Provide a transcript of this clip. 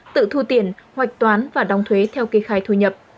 tự thu tiền hoạch toán và đóng thuế theo kê khai thu nhập